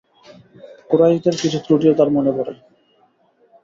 কুরাইশদের কিছু ত্রুটিও তার মনে পড়ে।